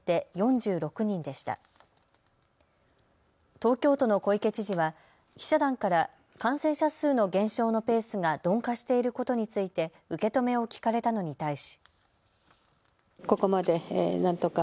東京都の小池知事は記者団から感染者数の減少のペースが鈍化していることについて受け止めを聞かれたのに対し。